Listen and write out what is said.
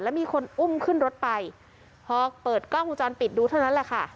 แล้วมีคนอุ้มขึ้นรถไปพอเปิดกล้องวงจรปิดดูเท่านั้นแหละค่ะ